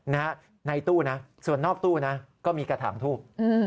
ในตู้นะส่วนนอกตู้นะก็มีกระถางทูบ